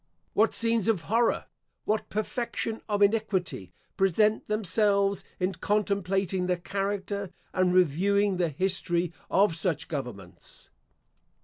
What scenes of horror, what perfection of iniquity, present themselves in contemplating the character and reviewing the history of such governments!